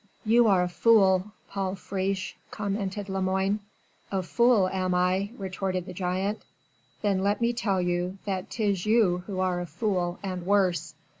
"You are a fool, Paul Friche ..." commented Lemoine. "A fool am I?" retorted the giant. "Then let me tell you, that 'tis you who are a fool and worse.